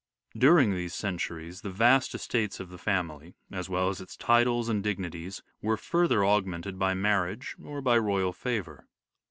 During these centuries the vast estates of the family, as well as its titles and dignities, were further aug mented by marriage or by royal favour.